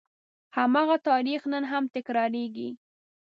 هماغه تاریخ نن هم تکرارېږي.